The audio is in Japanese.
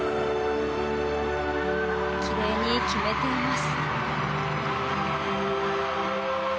きれいに決めています。